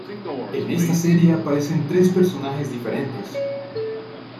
En esta serie aparecen tres personajes diferentes.